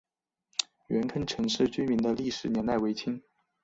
元坑陈氏民居的历史年代为清。